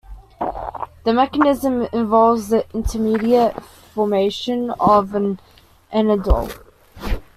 The mechanism involves the intermediate formation of an "enediol".